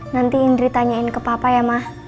nanti indri tanyain ke papa ya mah